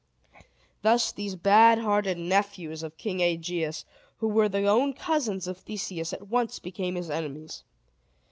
Thus these bad hearted nephews of King Aegeus, who were the own cousins of Theseus, at once became his enemies.